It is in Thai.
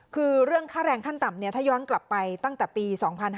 คือเรื่องค่าแรงขั้นต่ำถ้าย้อนกลับไปตั้งแต่ปี๒๕๕๙